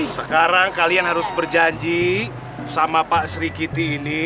sekarang kalian harus berjanji sama pak sri kiti ini